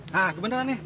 hah kebenaran nih